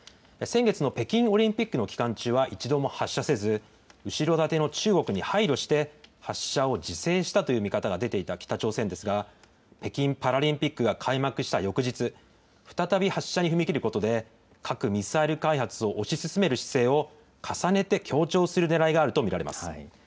先月の北京オリンピックの期間中は、一度も発射せず、後ろ盾の中国に配慮して、発射を自制したという見方が出ていた北朝鮮ですが、北京パラリンピックが開幕した翌日、再び、発射に踏み切ることで、核・ミサイル開発を推し進める姿勢を重ねて強調するねらいがあると見られます。